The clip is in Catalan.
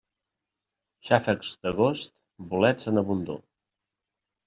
Xàfecs d'agost, bolets en abundor.